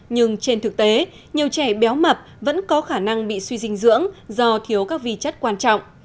nhưng trên thực tế nhiều trẻ béo mập vẫn có khả năng bị suy dinh dưỡng do thiếu các vi chất quan trọng